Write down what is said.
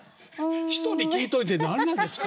人に聞いといて何なんですか。